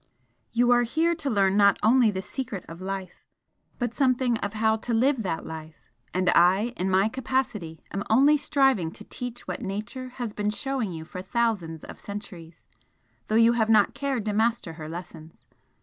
You are here to learn not only the secret of life, but something of how to live that life; and I, in my capacity, am only striving to teach what Nature has been showing you for thousands of centuries, though you have not cared to master her lessons.